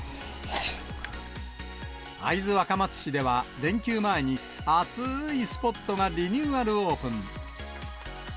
会津若松市では連休前にあつーいスポットがリニューアルオープン。